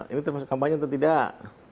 ini termasuk kampanye atau tidak